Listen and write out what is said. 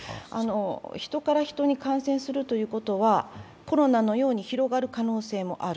ヒトからヒトに感染するということは、コロナのように広がる可能性もある。